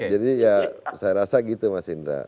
jadi ya saya rasa gitu mas indra